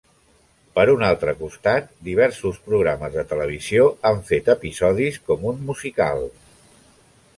Per un altre costat, diversos programes de televisió han fet episodis com un musical.